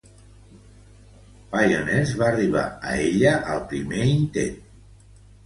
Pioners va arribar a ella al primer intent.